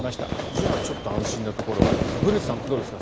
じゃあちょっと安心なところはありますが古内さん、どうですか？